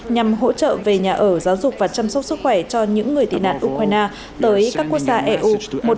nhằm hỗ trợ về nhà ở giáo dục và chăm sóc sức khỏe cho những người tị nạn ukraine tới các quốc gia eu